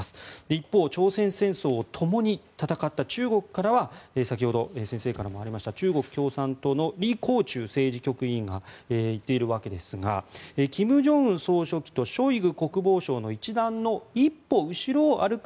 一方、朝鮮戦争をともに戦った中国からは先ほど先生からもありました中国共産党のリ・コウチュウ政治局委員が言っているわけですが金正恩総書記とショイグ国防相の一団の一歩後ろを歩く